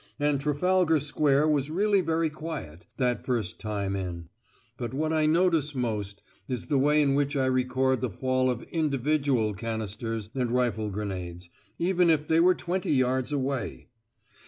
And Trafalgar Square was really very quiet, that first time in. But what I notice most is the way in which I record the fall of individual canisters and rifle grenades, even if they were twenty yards away!